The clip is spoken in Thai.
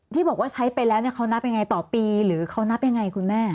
ที่บอกว่าใช้ไปแล้วเขานับยังไงต่อปีหรือเขานับยังไงคุณแม่